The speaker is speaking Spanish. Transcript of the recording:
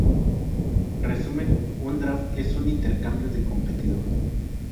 Resumen, un draft es un intercambio de competidor.